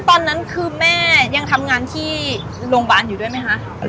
ตอนนั้นคือแม่ยังทำงานที่โรงพยาบาลอยู่ด้วยไหมคะ